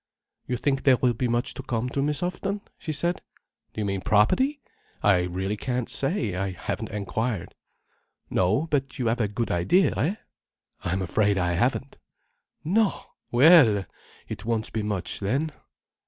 "You think there will be much to come to Miss Houghton?" she said. "Do you mean property? I really can't say. I haven't enquired." "No, but you have a good idea, eh?" "I'm afraid I haven't. "No! Well! It won't be much, then?"